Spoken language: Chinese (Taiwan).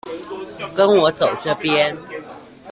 跟我走這邊